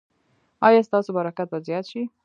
ایا ستاسو برکت به زیات شي؟